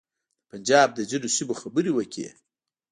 د پنجاب د ځینو سیمو خبرې وکړې.